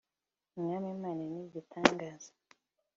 umwami imana nigitangaza.